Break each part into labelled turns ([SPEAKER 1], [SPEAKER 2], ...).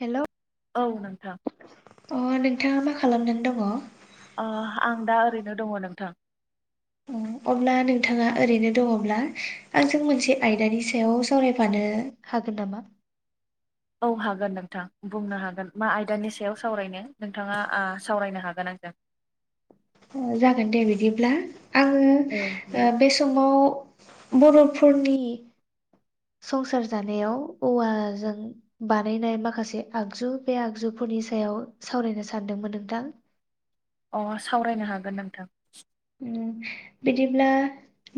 [SPEAKER 1] Hello
[SPEAKER 2] औ नोंथां
[SPEAKER 1] अ नोंथाङा मा खालामनानै दङ
[SPEAKER 2] ओ आं दा ओरैनो दङ नोंथां
[SPEAKER 1] उम अब्ला नोंथाङा ओरैनो दङब्ला आंजों मोनसे आयदानि सायाव सावरायफानो हागोन नामा
[SPEAKER 2] औ हागोन नोंथां बुंनो हागोन मा आयदानि सायाव सावरायनो नोंथाङा ओ सावरायनो हागोन आंजों
[SPEAKER 1] ओ जागोन दे बिदिब्ला आङो ओ बे समाव बरफोरनि संसार जानायाव औवाजों बानायनाय माखासे आगजु बे आगजुफोरनि सायाव सावरायनो सानदोंमोन नोंथां
[SPEAKER 2] अ सावरायनो हागोन नोंथां
[SPEAKER 1] बिदिब्ला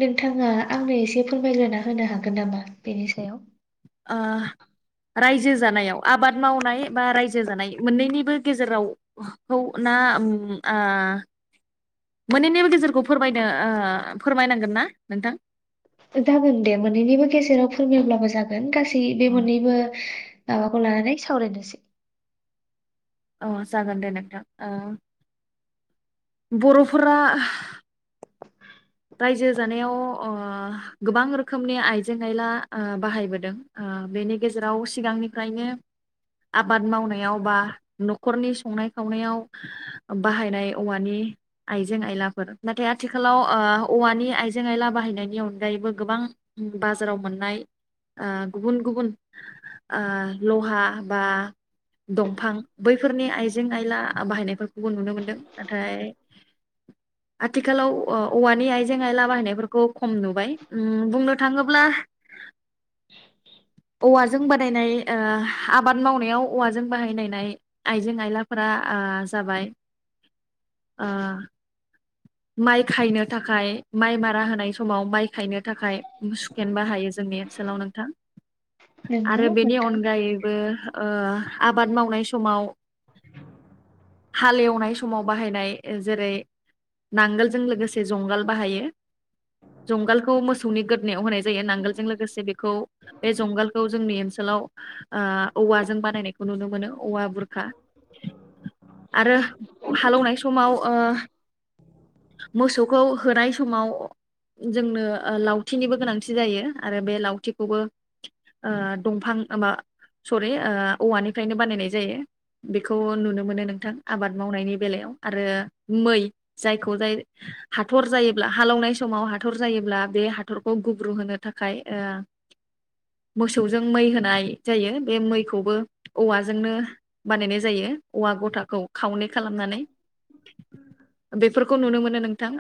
[SPEAKER 1] नोंथाङा आंनो एसे फोरमायलायना होनो हागोन नामा बेनि सायाव
[SPEAKER 2] ओ रायजो जानायाव आबाद मावनाय बा रायजो जानाय मोनैनिबो गेजेराव खौना आ मोनैनिबो गेजेरखौ फोरमायनो ओ फोरमायनांगोन ना नोंथां
[SPEAKER 1] जागोन दे मोननैनिबो गेजेराव फोरमायब्लाबो जागोन गासै गासै बे मोननैबो माबाखौ लानानै सावरायनोसै
[SPEAKER 2] अ जागोन दे नोंथां ओ बरफोरा रायजो जानायाव ओ गोबां रोखोमनि आइजें आइला ओ बाहायबोदों ओ बेनि गेजेराव सिगांनिफ्रायनो आबाद मावनायाव बा नखरनि संनाय खावनायाव बाहायनाय औवानि आइजें आइलाफोर नाथाय आथिखालाव ओ औवानि आइजें आइला बाहायनायनि अनगायैबो गोबां बाजाराव मोननाय ओ गुबुन गुबुन ओ लहा बा दंफां बैफोरनि आइजें आइला बाहायनायफोरखौबो नुनो मोनदों नाथाय आथिखालाव ओ औवानि आइ आइजें आइला बाहायनायफोरखौ खम नुबाय उम बुंनो थाङोब्ला औवाजों बादायनाय ओ आबाद मावनायाव औवाजों बाहायनायनाय आइजें आइलाफोरा ओ जाबाय ओ माइ खायनो थाखाय माइ मारा होनाय समाव माइ खायनो थाखाय सुकेन बाहायो जोंनि ओनसोलाव नोंथां
[SPEAKER 1] नोंगौ
[SPEAKER 2] आरो बेनि
[SPEAKER 1] नोंथां
[SPEAKER 2] अनगायैबो ओ आबाद मावनाय समाव हालेवनाय समाव बाहायनाय जेरै नांगोलजों लोगोसे जंगाल बाहायो जंगालखौ मोसौनि गोद नायाव होनाय जायो नांगोलजों लोगोसे बेखौ बे जंगालखौ जोंनि ओन सोलाव ओ औवाजों बानायनायखौ नुनो मोनो औवा बुर का आरो हालौनाय समाव ओ मोसौखौ होनाय समाव जोंनो ओ लावथिनिबो गोनांथि जायो आरो बे लावथिखौबो ओ दंफां मा सरि ओ औवानिफ्रायनो बानायनाय जायो बेखौ नुनो मोनो नोंथां आबाद मावनायनि बेलायाव आरो मै जायखौ जाय हाथ हाथर जायोब्ला हालौनाय समाव हाथर जायोब्ला बे हाथरखौ गुब्रु होनो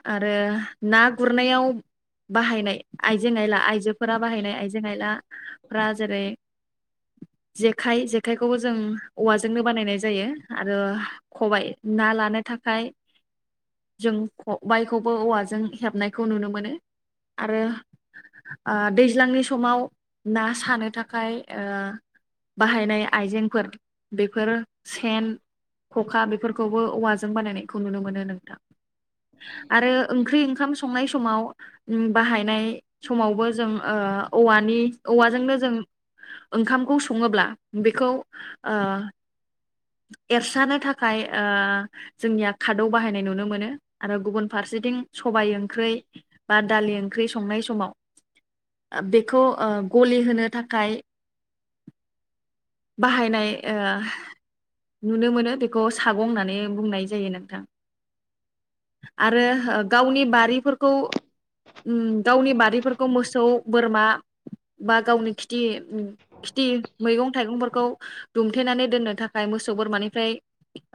[SPEAKER 2] आरो ना गुरनायाव बाहायनाय आइजें आइला आइजोफोरा बाहायनाय आइजें आइला फोरा जेरै जेखाय जेखायखौबो जों औवाजोंनो बानायनाय जायो आरो खबाइ ना लानो थाखाय जों ख बायखौबो औवाजों हेबनायखौ नुनो मोनो आरो ओ दैज्लांनि समाव ना सानो थाखाय ओ बाहायनाय आइजेंफोर बेफोर सेन खखा बेफोरखौबो औवाजों बानायनायखौ नुनो मोनो नोंथां आरो ओंख्रि ओंखाम संनाय समाव उ बाहायनाय समावबो जों ओ औवानि औवाजोंनो जों ओंखामखौ सङोब्ला बेखौ ओ एरस्रानो थाखाय ओ जोंनिया खादौ बाहायनाय नुनो मोनो आरो गुबुन फारसेथिं सबाय ओंख्रै बा दालि ओंख्रै संनाय समाव बेखौ ओ गलि होनो थाखाय बाहायनाय ओ नुनो मोनो बेखौ सागं होननानै बुंनाय जायो नोंथां आरो गावनि बारिफोरखौ उम गावनि बारिफोरखौ मोसौ बोरमा बा गावनि खिथि खिथि मैगं थाइगंफोरखौ दुमथेनानै दोननो थाखाय मोसौ बोरमानिफ्राय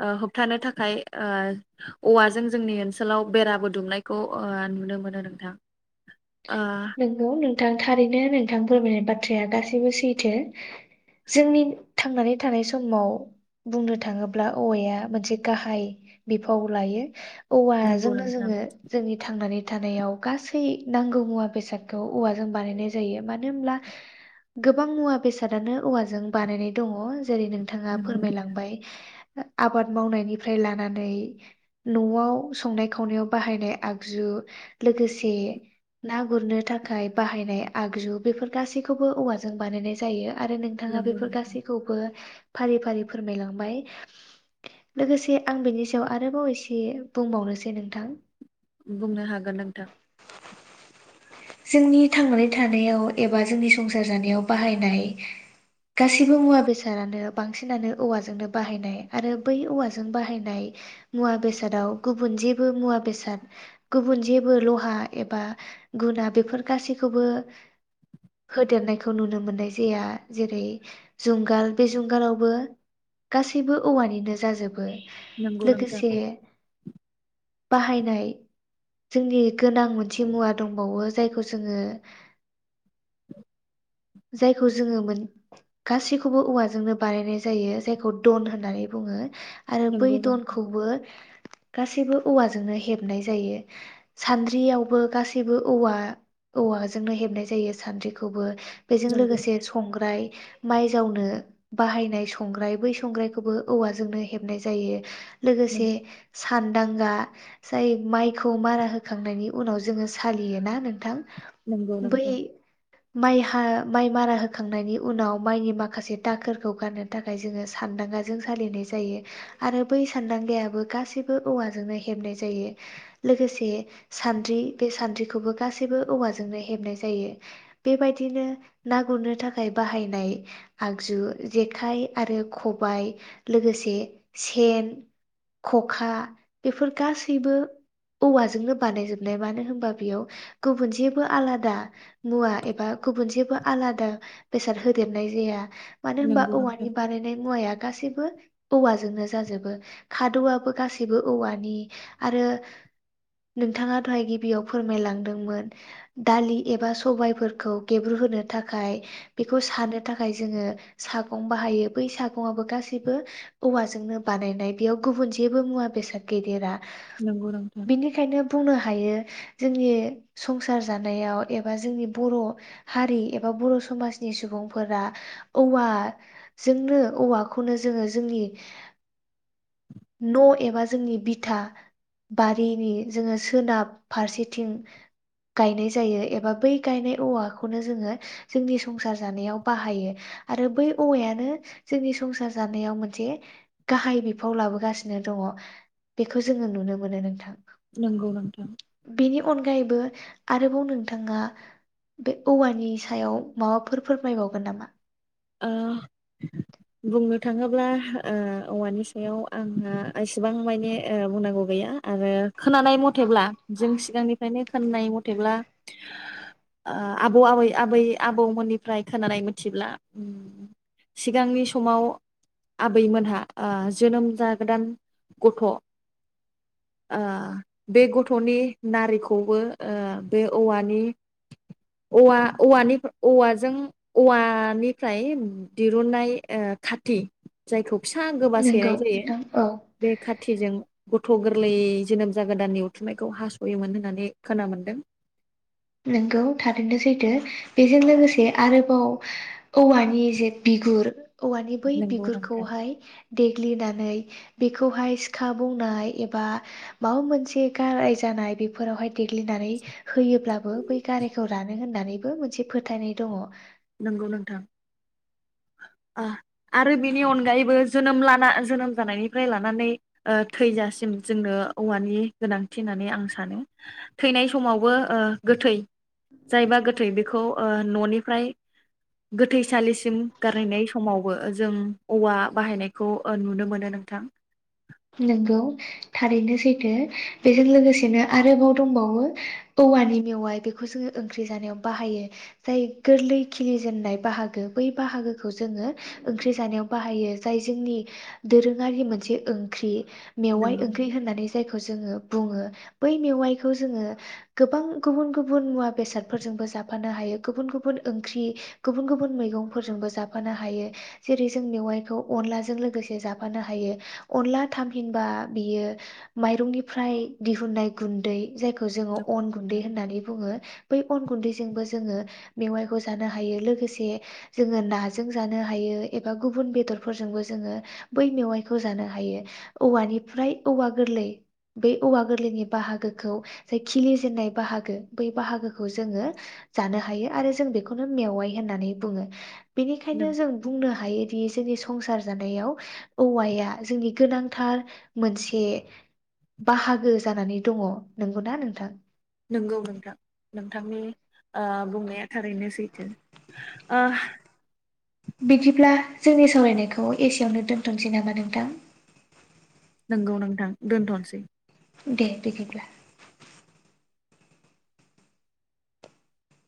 [SPEAKER 2] ओ होबथानो थाखाय ओ औवाजों जोंनि ओनसोलाव बेराबो दुमनायखौ‌ ओ नुनो मोनो नोंथां ओ
[SPEAKER 1] नंगौ नोंथां थारैनो नोंथां फोरमायनाय बाथ बाथ्राया गासैबो सैथो जोंनि थांनानै थानाय समाव बुंनो थाङोब्ला औवाया मोनसे गाहाय बिफाव लायो
[SPEAKER 2] नंगौ
[SPEAKER 1] औवाजोंनो
[SPEAKER 2] नोंथां
[SPEAKER 1] जोंङो जोंनि थांनानै थानायाव गासै नांगौ मुवा बेसादखौ औवाजों बानायनाय जायो मानो होनोमब्ला गोबां मुवा बेसादानो औवाजों बानायनाय दङ जेरै नोंथाङा
[SPEAKER 2] नंगौ नोंथां
[SPEAKER 1] फोरमायलांबाय आबाद मावनायनिफ्राय लानानै नआव संनाय खावनायाव बाहायनाय आगजु लोगोसे ना गुरनो थाखाय बाहायनाय आगजु बेफोर गासैखौबो औवाजों बानायनाय जायो आरो नोंथाङा
[SPEAKER 2] नंगौ
[SPEAKER 1] बेफोर
[SPEAKER 2] नोंथां
[SPEAKER 1] गासैखौबो फारि फारि फोरमायलांबाय लोगोसे आं बिनि सायाव आरोबाव एसे बुंबावनोसै नोंथां
[SPEAKER 2] बुंनो हागोन नोंथां
[SPEAKER 1] जोंनि थांनानै थानायाव एबा जोंनि संसार जानायाव बाहायनाय गासैबो मुवा बेसादानो बांसिनानो औवाजोंनो बाहायनाय आरो बै औवाजों बाहायनाय मुवा बेसादाव गुबुन जेबो मुवा बेसाद गुबुन जेबो लहा एबा गुना बेफोर गासैखौबो होदेरनायखौ नुनो मोननाय जाया जेरै जुंगाल बे जुंगालावबो गासैबो औवानिनो जाजोबो
[SPEAKER 2] नोंगौ नोंथां
[SPEAKER 1] लोगोसे बाहायनाय जोंनि गोनां मोनसे मुवा दंबावो जायखौ जोङो जायखौ जोङो मोन गासैखौबो औवाजोंनो बानायनाय जायो जायखौ दन होननानै बुङो आरो बै
[SPEAKER 2] नंगौ नोंथां
[SPEAKER 1] दनखौबो गासैबो औवाजोंनो हेबनाय जायो सान्द्रियावबो गासैबो औवा औवाजोंनो हेबनाय जायो सान्द्रिखौबो बेजों
[SPEAKER 2] नंगौ
[SPEAKER 1] लोगोसे संग्राय माइ जावनो बाहायनाय संग्राय बै संग्रायखौबो औवाजोंनो हेबनाय जायो लोगोसे सानदांगा जाय माइखौ मारा होखांनायनि उनाव जोङो सालियोना नों थां
[SPEAKER 2] नोंगौ नोंथां
[SPEAKER 1] माइ हा माइ मारा होखांनायनि उनाव माइनि माखासे दाखोरखौ गारनो थाखाय जोङो सानदांगाजों सालिनाय जायो आरो बै सानदांगायाबो गासैबो औवाजोंनो हेबनाय जायो लोगोसे सानद्रि बे सानद्रिखौबो गासैबो औवाजोंनो हेबनाय जायो बेबायदिनो ना गुरनो थाखाय बाहायनाय आगजु जेखाइ आरो खबाइ लोगोसे सेन खखा बेफोर गासैबो औवाजोंनो बानायजोबनाय मानो होनबा बेयाव गुबुन जेबो आलादा मुवा एबा गुबुन जेबो आलादा बेसाद होदेरनाय जाया मानो होनबा
[SPEAKER 2] नंगौ
[SPEAKER 1] औवानि
[SPEAKER 2] नोंथां
[SPEAKER 1] बानायनाय मुवाया गासैबो औवाजोंनो जाजोबो खादौआबो गासैबो औवानि आरो नोंथाङा दहाय गिबियाव फोरमायलांदों मोन दालि एबा सबायफोरखौ गेब्रुहोनो थाखाय बेखौ सानो थाखाय जोंङो सागं बाहायो बै सागंआबो गासैबो औवाजोंनो बानायनाय बेयाव गुबुन जेबो मुवा बेसाद गैदेरा।
[SPEAKER 2] नंगौ नोंथां
[SPEAKER 1] बिनिखायनो बुंनो हायो जोंनि संसार जानायाव एबा जोंनि बर'हारि एबा बर'समाजनि सुबुंफोरा औवाजोंनो-औवाखौनो जोंङो जोंनि न एबा जोंनि बिथा बारिनि जोंङो सोनाब फारसेथिं गायनाय जायो एबा बै गायनाय औवाखौनो जोंङो जोंनि संसार जानायाव बाहायो आरो बै औवायानो जोंनि संसार जानायाव मोनसे गाहाय बिफाव लाबोगासिनो दंङ बेखौ जोंङो नुनो मोनो नोंथां।
[SPEAKER 2] नोंगौ नोंथां
[SPEAKER 1] गायैबो आरोबाव नोंथाङा बे औवानि सायाव माबाफोर फोरमायबावगोन नामा।
[SPEAKER 2] ओ बुंनो थाङोब्ला औवानि सायाव आंहा एसेबां माने बुंनांगौ गैया आरो खोनानाय मथेब्ला जों सिगांनिफ्रायनो खोननाय मथेब्ला आबौ आबै-आबै आबौमोननिफ्राय खोनानाय मिथिब्ला सिगांनि समाव आबैमोनहा जोनोम जागोदान गथ' बे गथ'नि नारिखौबो बे औवानि-औवा-औवानि-औवाजों-औवानि फ्राय दिरुननाय खाथि जायखौ फिसा गोबा
[SPEAKER 1] नोंगौ
[SPEAKER 2] सैनाय जायो
[SPEAKER 1] नोंथां औ
[SPEAKER 2] बे खाथिजों गथ‌' गोरलै जोनोम जागोदाननि उथुमनायखौ हासयोमोन होननानै खोना मोनदों।
[SPEAKER 1] नोंगौ थारैनो सैथो बेजों लोगोसे आरोबाव औवानि जे बिगुर औवानि बै
[SPEAKER 2] नंगौ नोंथां।
[SPEAKER 1] बिगुरखौहाय देग्लिनानै बेखौहाय सिखा बौनाय एबा माबा मोनसे गाराय जानाय बेफोरावहाय देग्लिनानै होयोब्ला बै गारायखौ रानो होननानैबो मोनसे फोथायनाय दंङ।
[SPEAKER 2] नोंगौ नोंथां आरो बिनि अनगायैबो जोनोम लाना जोनोम जानायनिफ्राय लानानै थैजासिम जोंनो औवानि गोनांथि होननानै आं सानो थैनाय समावबो गोथै जायबा गो थै बेखौ ननिफ्राय गोथैसालिसिम गारहैनाय समावबो जों औवा बाहायनायखौ नुनो मोनो नोंथां
[SPEAKER 1] नोंगौ थारैनो सैथो बेजों लोगोसेनो आरोबाव दंबावो औवानि मेवाय बेखौ जोंङो ओंख्रि जानायाव बाहायो जाय गोरलै खिलिजेेननाय बाहागो बै बाहागोखौ जोंङो ओंख्रि जानायाव बाहायो जाय जोंनि दोरोंङारि मोनसे ओं खरि मेवाय
[SPEAKER 2] नंगौ
[SPEAKER 1] ओंख्रि होननानै जायखौ जोंङो बुंङो बै मेवायखौ जोंङो गोबां गुबुन-गुबुन मुवा बेसादफोरजोंबो जाफानो हायो गुबुन-गुबुन ओंख्रि गुबुन-गुबुन मैगंफोरजोंबो जाफानो हायो जेरै जों मेवायखौ अनलाजों लोगोसे जाफानो हायो। अनला थामहिनबा बियो मायरंनिफ्राय दिहुननाय गुन्दै जाय खौ जोंङो अन गुन्दै होननानै बुंङो। बै अन गुन्दैजोंबो जोंङो मेवायखौ जानो हायो लोगोसे जोंङो नाजों जानो हायो एबा गुबुन बेदरफोरजोंबो जोंङो बै मेवायखौ जानो हायो औवानिफ्राय-औवा गोरलै बे औवा गोरलैनि बाहागोखौ जाय खिलि जेननाय बाहागो बै बाहागोखौ जोंङो जानो हायो आरो जों बेखौनो मेवाय होननानै बुंङो। बेनिखायनो जों
[SPEAKER 2] नंगौ
[SPEAKER 1] बुंनो हायोदि जोंनि संसार जानायाव औवाया जोंनि गोनांथार मोनसे बाहागो जानानै दंङ नंगौना नोंथां।
[SPEAKER 2] नंगौ नोंथां नों नोंथांनि बुंनाया थारैनो सैथो।
[SPEAKER 1] बिदिब्ला जोंनि सावरायनायखौ एसेवनो दोन्थसै नामा नोंथां
[SPEAKER 2] नोंगौ नोंथां दोनथनोसै
[SPEAKER 1] दे बिदिब्ला